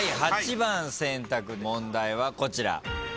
８番選択問題はこちら。